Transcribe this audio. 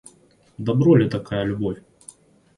Добро ли такая любовь?